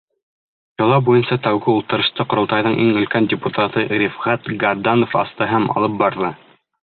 Йола буйынса тәүге ултырышты Ҡоролтайҙың иң өлкән депутаты Рифғәт Гарданов асты һәм алып барҙы.